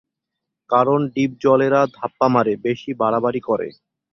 কারণ ডিপজলেরা ধাপ্পা মারে, বেশি বাড়াবাড়ি করে।